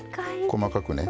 細かくね。